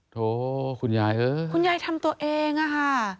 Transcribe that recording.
โถคุณยายเอ้ยคุณยายทำตัวเองอะค่ะ